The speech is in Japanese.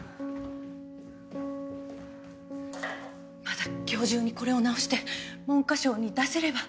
まだ今日中にこれを直して文科省に出せれば。